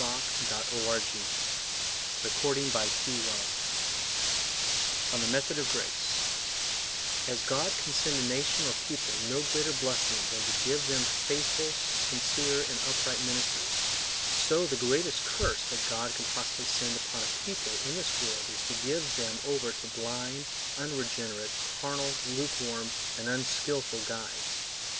(710–1777). 1906. George Whitefield On the Method of Grace AS God can send a nation or people no greater blessing than to give them faithful, sincere, and upright ministers, so the greatest curse that God can possibly send upon a people in this world is to give them over to blind, unregenerate, carnal, lukewarm, and unskilful guides.